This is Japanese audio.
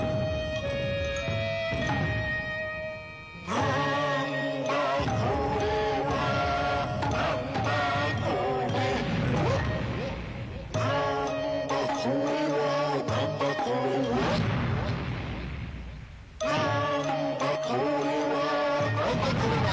なんだこれはなんだこれはなんだこれはなんだこれはなんだこれはなんだこれは！